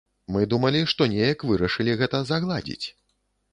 Мы думалі, што неяк вырашылі гэта загладзіць.